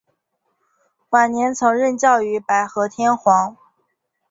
晚年曾任教于白河天皇。